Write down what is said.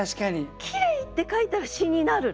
「きれい」って書いたら詩になるの。